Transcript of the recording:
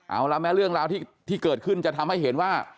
เอาละแม้เรื่องราวที่เกิดขึ้นจะทำให้เห็นว่า